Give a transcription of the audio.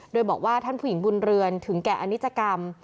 โดยบอกว่าท่านผู้หญิงบุญเรือนถึงแก่อนิจกรรม